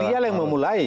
dia yang memulai